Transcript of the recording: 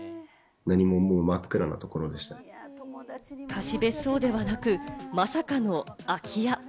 貸別荘ではなくまさかの空き家。